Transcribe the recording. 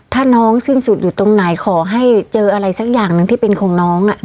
ถ้าน้องสิ้นสุดอยู่ตรงไหนขอให้เจออะไรสักอย่างหนึ่งที่เป็นของน้อง